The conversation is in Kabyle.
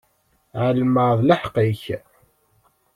Ɛelmeɣ d lḥeqq-ik.